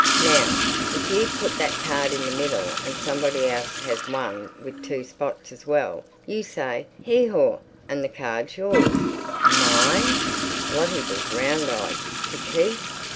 Now, if you put that card in the middle and somebody else has one with two spots as well, you say 'Hee haw,' and the card's yours." "Mine?" Lottie was round eyed. "To keep?"